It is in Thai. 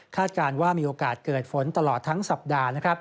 การว่ามีโอกาสเกิดฝนตลอดทั้งสัปดาห์